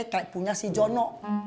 kayak punya si jono